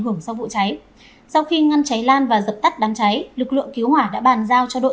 hưởng sau vụ cháy sau khi ngăn cháy lan và dập tắt đám cháy lực lượng cứu hỏa đã bàn giao cho đội